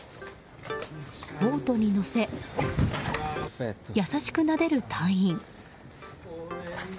ボートに乗せ、優しくなでる隊員。